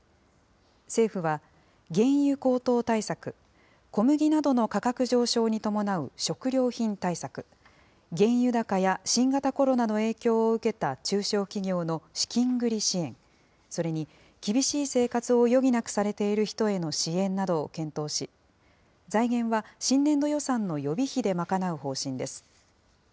政府は、原油高騰対策、小麦などの価格上昇に伴う食料品対策、原油高や新型コロナの影響を受けた中小企業の資金繰り支援、それに、厳しい生活を余儀なくされている人への支援などを検討し、財源は、新年度予算の予備費で賄う方針です。